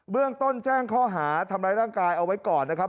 เรื่องต้นแจ้งข้อหาทำร้ายร่างกายเอาไว้ก่อนนะครับ